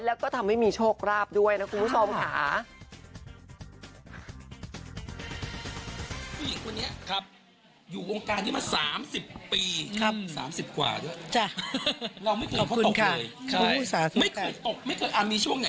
แล้วก็ทำให้มีโชคราบด้วยนะคุณผู้ชมค่ะ